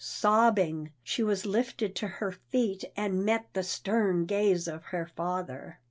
Sobbing, she was lifted to her feet, and met the stern gaze of her father.